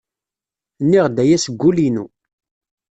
Nniɣ-d aya seg wul-inu.